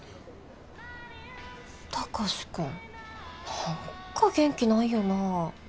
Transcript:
貴司君何か元気ないよな？